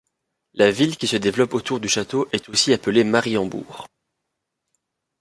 La ville qui se développe autour du château est aussi appelée Marienburg.